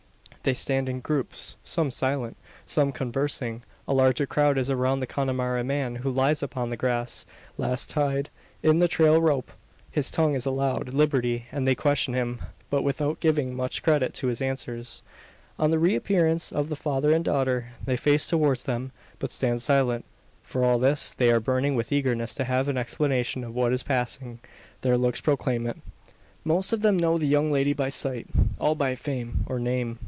They stand in groups some silent, some conversing. A larger crowd is around the Connemara man; who lies upon the grass, last tied in the trail rope. His tongue is allowed liberty; and they question him, but without giving much credit to his answers. On the re appearance of the father and daughter, they face towards them, but stand silent. For all this, they are burning with eagerness to have an explanation of what is passing. Their looks proclaim it. Most of them know the young lady by sight all by fame, or name.